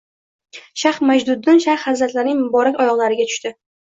Shayx Majduddin shayx hazratlarining muborak oyogʻlarigʻa tushti